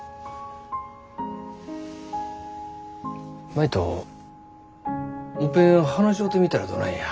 舞ともっぺん話し合うてみたらどないや。